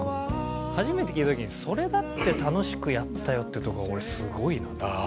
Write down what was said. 初めて聴いた時に「それだって楽しくやったよ」ってとこが俺すごいなって。